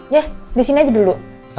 ya di sini aja dulu